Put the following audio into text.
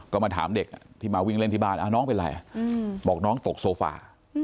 ก็มาถามเด็กที่มาวิ่งเล่นที่บ้านน้องเป็นอะไรบอกน้องตกโซฟา